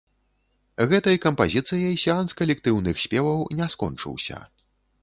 Гэтай кампазіцыяй сеанс калектыўных спеваў не скончыўся.